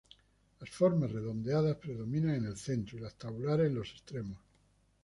Las formas redondeadas predominan en el centro y las tabulares en los extremos.